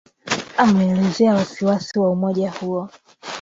ameelezea wasi wasi wa umoja huo